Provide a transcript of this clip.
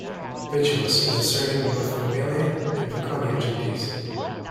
"Vitulus" was a surname in both the Mamilia and Voconia gentes.